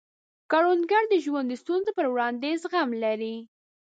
کروندګر د ژوند د ستونزو پر وړاندې زغم لري